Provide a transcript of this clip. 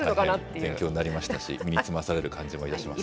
勉強になりましたし、身につまされる感じもいたします。